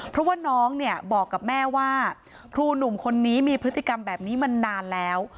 เพราะว่าน้องเนี่ยบอกกับแม่ว่าครูหนุ่มคนนี้มีพฤติกรรมแบบนี้มานานแล้ว